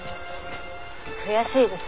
悔しいです。